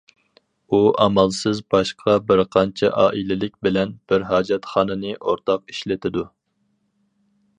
ئۇ ئامالسىز باشقا بىرقانچە ئائىلىلىك بىلەن بىر ھاجەتخانىنى ئورتاق ئىشلىتىدۇ.